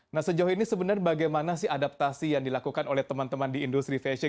nah sejauh ini sebenarnya bagaimana sih adaptasi yang dilakukan oleh teman teman di industri fashion